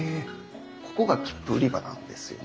ここが切符売り場なんですよね。